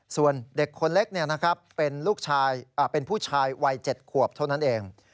ส่วนเด็กคนเล็กเป็นผู้ชายวัย๗ขวบเท่านั้นเอง